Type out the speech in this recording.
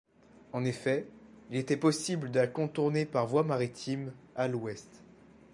En effet, il était possible de la contourner par voie maritime à l'ouest.